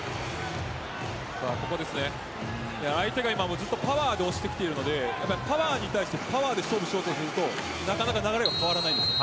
相手がずっとパワーで押してきているのでパワに対してパワーで勝負しようとするとなかなか流れが変わりません。